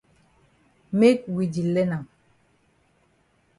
Make we di learn am.